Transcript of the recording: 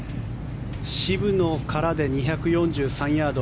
渋野からで２４３ヤード。